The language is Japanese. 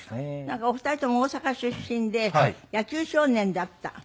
なんかお二人とも大阪出身で野球少年だった。